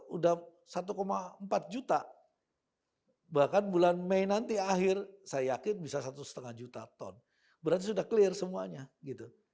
sudah satu empat juta bahkan bulan mei nanti akhir saya yakin bisa satu lima juta ton berarti sudah clear semuanya gitu